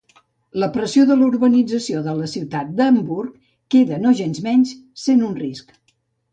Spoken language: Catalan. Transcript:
La pressió de la urbanització de la ciutat d'Hamburg queda nogensmenys sent un risc.